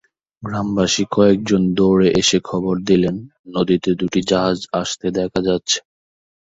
গ্রামবাসী কয়েকজন দৌড়ে এসে খবর দিলেন, নদীতে দুটি জাহাজ আসতে দেখা যাচ্ছে।